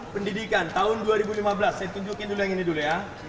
pendidikan tahun dua ribu lima belas saya tunjukin dulu yang ini dulu ya